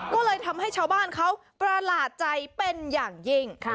ก็เลยทำให้ชาวบ้านเขาประหลาดใจเป็นอย่างยิ่ง